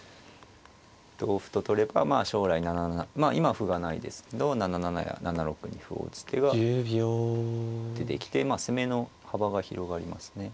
同歩と取れば将来７七まあ今歩がないですけど７七や７六に歩を打つ手が出てきて攻めの幅が広がりますね。